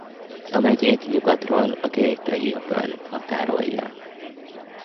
A megyét nyugatról a Gaetai-öböl határolja.